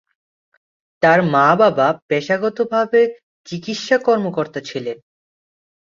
তার বাবা-মা পেশাগতভাবে চিকিৎসা কর্মকর্তা ছিলেন।